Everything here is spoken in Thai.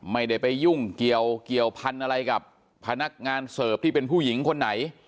ไม่ได้ไปยุ่งเกี่ยวพันธุ์อะไรกับพนักงานเสิร์ฟที่เป็นผู้หญิงคนไหน